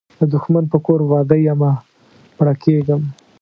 د دښمن په کور واده یمه مړه کیږم